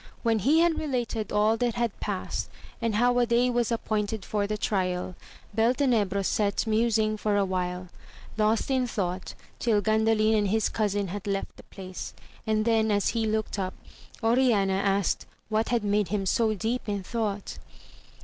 When he had related all that had past, and how a day was appointed for the trial, Beltenebros sate musing for a while, lost in thought, till Gandalin and his cousin had left the place, and theU; as he looked \r^) Omxi^ J 38 AMADIS OF GAUL. aaked what had made him so deep in thought.